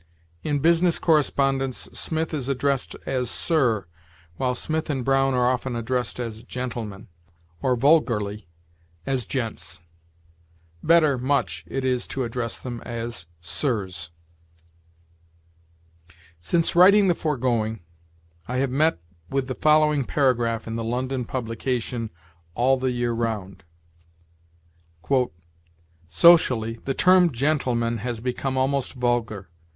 In business correspondence Smith is addressed as Sir, while Smith & Brown are often addressed as Gentlemen or, vulgarly, as Gents. Better, much, is it to address them as Sirs. Since writing the foregoing, I have met with the following paragraph in the London publication, "All the Year Round": "Socially, the term 'gentleman' has become almost vulgar.